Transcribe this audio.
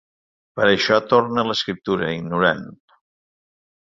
Per això torna a l'escriptura, ignorant.